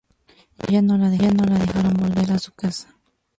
Ya no la dejaron volver a su casa.